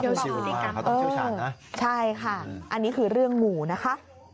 เดี๋ยวต้องชิวชาญนะเออใช่ค่ะอันนี้คือเรื่องหมู่นะคะ